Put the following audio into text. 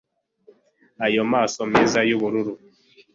ayo maso meza yubururu